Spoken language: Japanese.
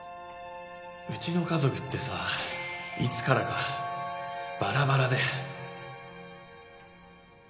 うちの家族ってさいつからかばらばらで